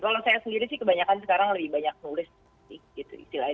kalau saya sendiri sih kebanyakan sekarang lebih banyak nulis gitu istilahnya